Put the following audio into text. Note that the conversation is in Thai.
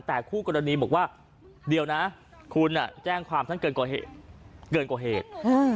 แต่คู่กรณีบอกว่าเดี๋ยวนะคุณแจ้งความท่านเกินกว่าเหตุ